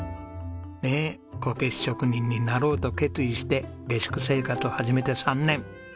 ねえこけし職人になろうと決意して下宿生活を始めて３年。